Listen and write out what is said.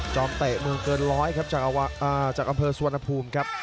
จอมเตะเมืองเกิน๑๐๐ครับจากอำเภอสวนภูมิครับ